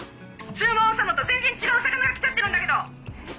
注文したのと全然違う魚が来ちゃってるんだけど！